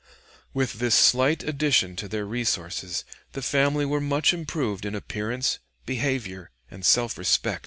With this slight addition to their resources the family were much improved in appearance, behavior, and self respect.